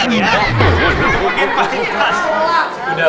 mungkin paling keras